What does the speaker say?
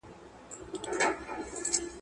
عزارییله پښه نیولی قدم اخله.